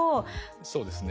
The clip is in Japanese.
そうですね